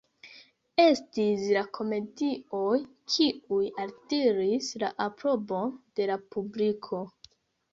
Estis la komedioj kiuj altiris la aprobon de la publiko.